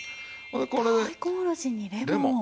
大根おろしにレモン！